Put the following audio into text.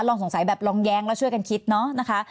สงสัยแบบลองแย้งแล้วช่วยกันคิดเนาะนะคะ